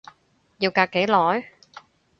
要隔幾耐？